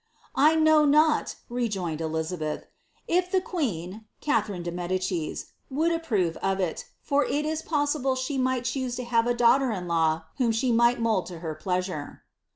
" I kp"™ nn V' rejoined Elizabeth, " if the queen (Catherine de Mi cis) n rove of it, for il is possible she mi^ht choose ti> hav daugt] ' whom she might mould to her pleasure."